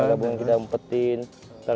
ya gabungan kita empatkan